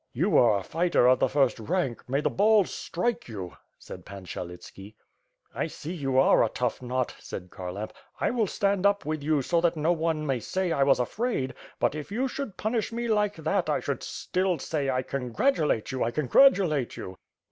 "You are a fighter of the first rank. May the balls strike you!" said Pan Syelitski. "I see you are a tough knot,'' said Kharlamp, "I will stand up with }"ou, so that no one may say 1 was afraid; but if you should punish me like that 1 should still say, *1 congratulate you, 1 congratulate you.'